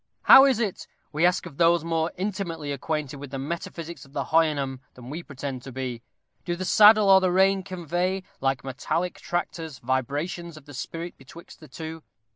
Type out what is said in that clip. How is it, we ask of those more intimately acquainted with the metaphysics of the Houyhnhnm than we pretend to be? Do the saddle or the rein convey, like metallic tractors, vibrations of the spirit betwixt the two?